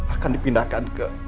akan dipindahkan ke